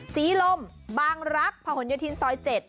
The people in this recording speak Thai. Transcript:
สีลมบางรักผ่าผนยทิศซอย๗